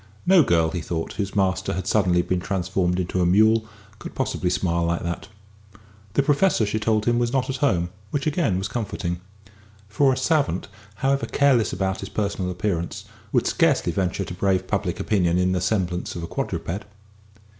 No girl, he thought, whose master had suddenly been transformed into a mule could possibly smile like that. The Professor, she told him, was not at home, which again was comforting. For a savant, however careless about his personal appearance, would scarcely venture to brave public opinion in the semblance of a quadruped.